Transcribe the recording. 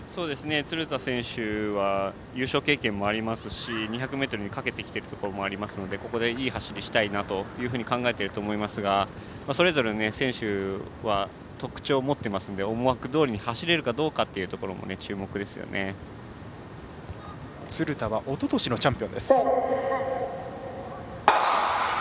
鶴田選手は優勝経験もありますし２００ｍにかけてきているところもありますのでここで、いい走りをしたいなと考えていると思いますがそれぞれの選手は特徴を持っていますので思惑どおりに走れるかどうかっていうところも鶴田はおととしのチャンピオンです。